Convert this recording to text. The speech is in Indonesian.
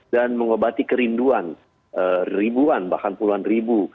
dan mengobati kerinduan ribuan bahkan puluhan ribu